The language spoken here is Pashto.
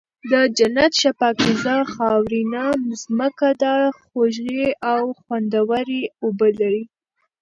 د جنت ښه پاکيزه خاورينه زمکه ده، خوږې او خوندوَري اوبه لري